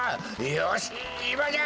よしっいまじゃ！